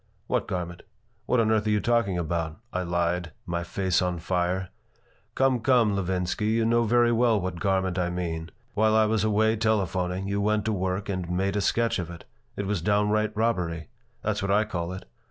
"What garment? What on earth are you talking about?" I lied, my face on fire. "Come, come, Levinsky. You know very well what garment I mean. While I was away telephoning you went to work and made a sketch of it. It was downright robbery. That's what I call it.